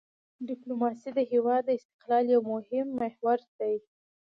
ډیپلوماسي د هېواد د استقلال یو مهم محور دی.